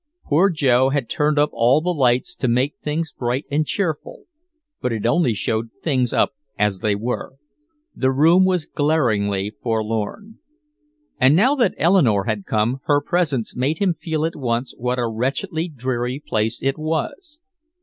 Poor Joe had turned up all the lights to make things bright and cheerful, but it only showed things up as they were. The room was glaringly forlorn. And now that Eleanore had come, her presence made him feel at once what a wretchedly dreary place it was.